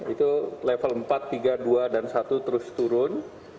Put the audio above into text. itu level empat tiga dua dan satu terus turun